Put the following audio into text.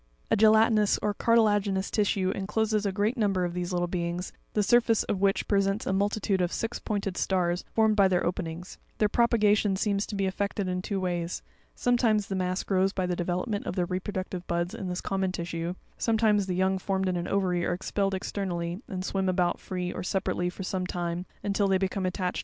<A gelatinous or cartilaginous tissue encloses a great number of these little beings, the surface ofwhich presents a multitude of six pointed stars formed by their openings; their propagation seems to be effected in two ways; sometimes the mass grows by the development of reproductive buds in this common tissue, sometimes the young formed in an ovary are expelled externally, and swim about free or separately for some time, until they become attached to some submarine body, where they establish a new colony.